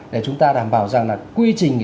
để chúng ta đảm bảo rằng là quy trình